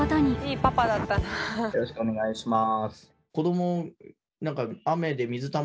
よろしくお願いします。